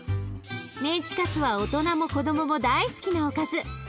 メンチカツは大人も子どもも大好きなおかず。